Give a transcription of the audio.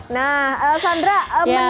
nah sandra menu menunya